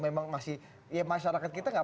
memang masih ya masyarakat kita nggak